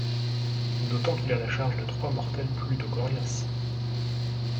D'autant qu'il a la charge de trois mortels plutôt coriaces.